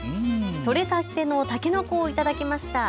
取れたてのたけのこを頂きました。